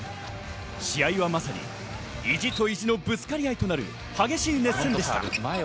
試合はまさに意地と意地のぶつかり合いとなる激しい熱戦でした。